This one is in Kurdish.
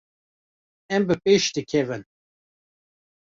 Em bi pêş dikevin.